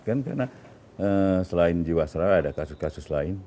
kan karena selain jawa seraya ada kasus kasus lain